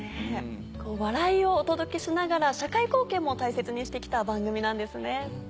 笑いをお届けしながら社会貢献も大切にして来た番組なんですね。